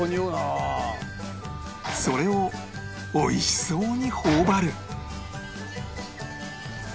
それを美味しそうに頬張る